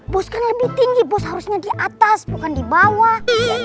bus kan lebih tinggi bus harusnya di atas bukan di bawah